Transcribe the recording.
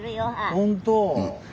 本当。